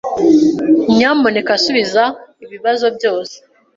Nyamuneka subiza ibibazo byose.